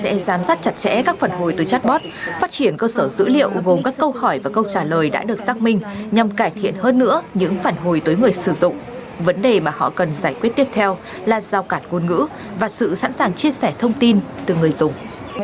chúng tôi sẽ giám sát chặt chẽ các phản hồi từ chatbot phát triển cơ sở dữ liệu gồm các câu hỏi và câu trả lời đã được xác minh nhằm cải thiện hơn nữa những phản hồi tới người sử dụng vấn đề mà họ cần giải quyết tiếp theo là giao cản ngôn ngữ và sự sẵn sàng chia sẻ thông tin từ người dùng